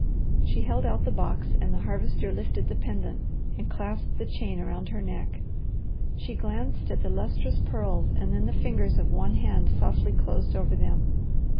She held out the box and the Harvester lifted the pendant and clasped the chain around her neck. She glanced at the lustrous pearls and then the fingers of one hand softly closed over them.